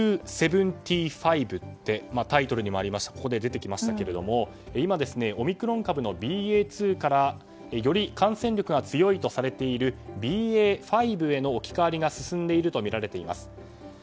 タイトルにもあってここで出てきましたから今、オミクロン株のＢＡ．２からより感染力が強いとされているＢＡ．５への置き換わりが進んでいるとみられています。